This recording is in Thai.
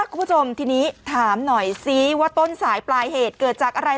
คุณผู้ชมทีนี้ถามหน่อยซิว่าต้นสายปลายเหตุเกิดจากอะไร